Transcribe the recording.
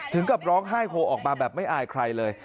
ถึงกับร้องไห้โฮออกมาแบบไม่อายใครเลย